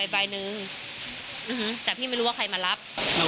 บ่ายหนึ่งแต่พี่รู้ว่าใครมารับ